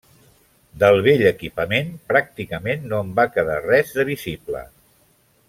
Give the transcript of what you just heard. Del vell equipament, pràcticament no en va quedar res de visible.